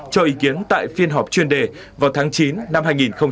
cho ý kiến tại phiên họp chuyên đề vào tháng chín năm hai nghìn hai mươi ba